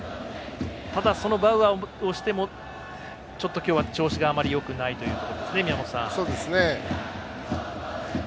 ただ、そのバウアーをしてもちょっと今日は調子があまりよくないということですね。